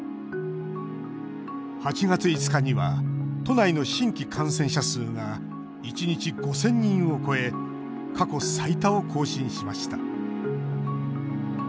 ８月５日には都内の新規感染者数が１日５０００人を超え過去最多を更新しました。